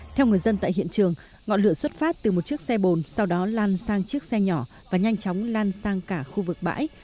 theo người dân tại hiện trường ngọn lửa xuất phát từ một chiếc xe bồn sau đó lan sang chiếc xe nhỏ và nhanh chóng lan sang cả khu vực bãi